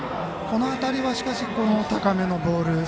この辺りは、高めのボール